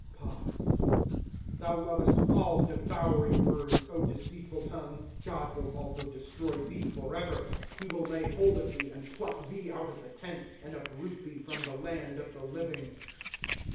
{Pause.) * Thou lovest all devouring words, deceitful tongue. ® God will also destroy thee forever. He will lay Iiold of thee, and pluck thee out of the tent, And uproot thee from the land of the living.